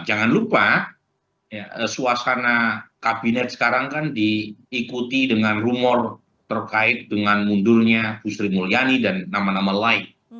jangan lupa suasana kabinet sekarang kan diikuti dengan rumor terkait dengan mundurnya gusri mulyani dan nama nama lain